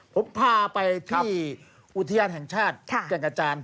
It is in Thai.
ผมพาไปที่อุทยานแห่งชาติแก่งกระจาน